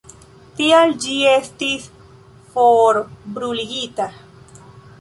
Tial ĝi estis forbruligita.